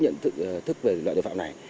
nhận thức về loại tội phạm này